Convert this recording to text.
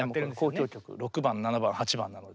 「交響曲６番」「７番」「８番」なので。